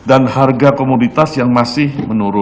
dan harga komoditas yang masih menurun